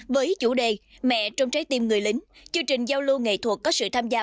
với chủ đề mẹ trong trái tim người lính chương trình giao lưu nghệ thuật có sự tham gia